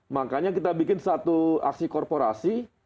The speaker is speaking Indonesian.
makanya kita bikin satu aksi korporasi